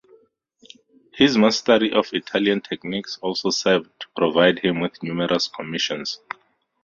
His mastery of Italian techniques also served to provide him with numerous commissions.